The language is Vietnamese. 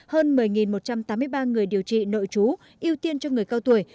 hơn một mươi một trăm tám mươi ba người điều trị nội trú ưu tiên cho người cao tuổi